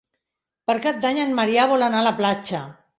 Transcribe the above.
Per Cap d'Any en Maria vol anar a la platja.